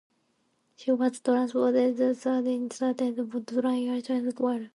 She was transferred to the Sydney stables of trainer Chris Waller.